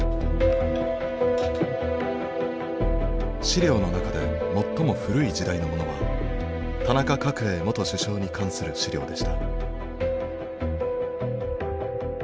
資料の中で最も古い時代のものは田中角栄元首相に関する資料でした。